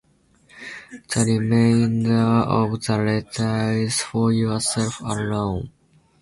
The remainder of the letter is for yourself alone.